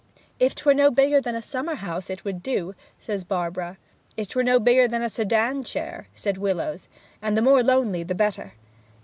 'If 'twere no bigger than a summer house it would do!' says Barbara. 'If 'twere no bigger than a sedan chair!' says Willowes. 'And the more lonely the better.'